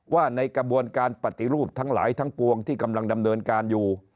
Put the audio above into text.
ว่าในกระบวนการปฏิรูปทั้งหลายทั้งปวงที่กำลังดำเนินการอยู่